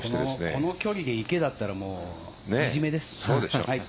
この距離で池だったらいじめです。